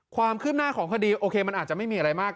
ความคืบหน้าของคดีโอเคมันอาจจะไม่มีอะไรมาก